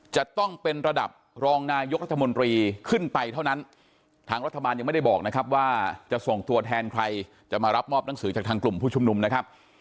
จะต้องเป็นระดับรองนายกรัฐมนตรีขึ้นไปเท่านั้นทางรัฐบาลยังไม่ได้บอกนะครับว่าจะส่งตัวแทนใครจะมารับมอบหนังสือจากทางกลุ่มผู้ชุมนุมนะครับ